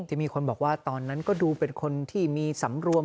ที่มีคนบอกว่าตอนนั้นก็ดูเป็นคนที่มีสำรวม